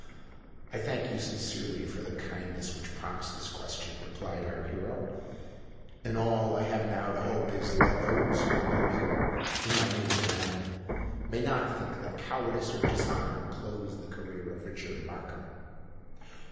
"I thank you sincerely for the kindness which prompts this question," replied our hero; "and all I have now to hope is that those who know me—in my native land—may not think that cowardice or dishonour closed the career of Richard Markham."